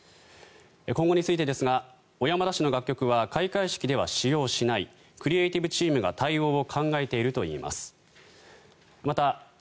今後についてですが小山田氏の楽曲は開会式では使用しないクリエーティブチームが対応を考えているといいます。